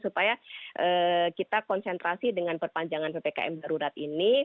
supaya kita konsentrasi dengan perpanjangan ppkm darurat ini